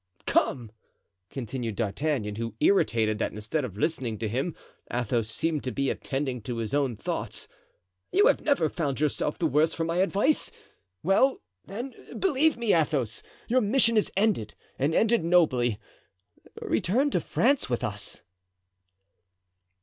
"Come," continued D'Artagnan, who, irritated that instead of listening to him Athos seemed to be attending to his own thoughts, "you have never found yourself the worse for my advice. Well, then, believe me, Athos, your mission is ended, and ended nobly; return to France with us."